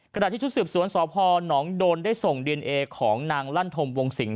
ขณะที่ชุดสืบสวนสพนโดนได้ส่งดีเอนเอของนางลั่นธมวงสิง